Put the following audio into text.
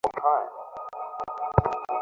তিনি বিভার ঘর হইতে উঠিয়া গেলেন।